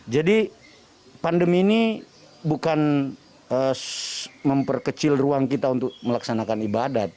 jadi pandemi ini bukan memperkecil ruang kita untuk melaksanakan ibadat